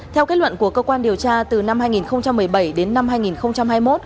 theo kết luận của cơ quan điều tra từ năm hai nghìn một mươi bảy đến năm hai nghìn hai mươi một